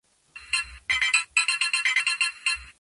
Fue hasta que llegó a la edad adulta que se mudó a Nueva York.